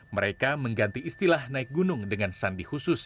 mereka mengganti istilah naik gunung dengan sandi khusus